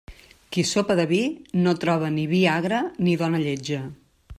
Qui sopa de vi, no troba ni vi agre ni dona lletja.